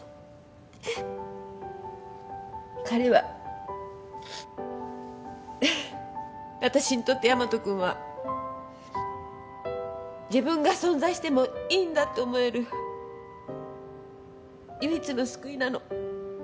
彼はあたしにとってヤマト君は自分が存在してもいいんだって思える唯一の救いなの。